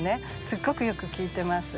すっごくよく効いてます。